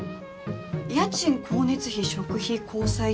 家賃光熱費食費交際費